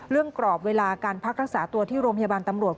กรอบเวลาการพักรักษาตัวที่โรงพยาบาลตำรวจ